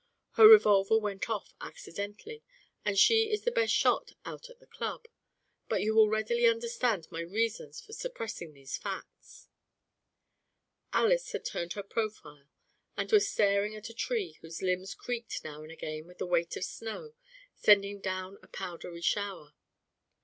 Her revolver went off accidentally and she is the best shot out at the Club. But you will readily understand my reasons for suppressing these facts." Alys had turned her profile and was staring at a tree whose limbs creaked now and again with their weight of snow, sending down a powdery shower.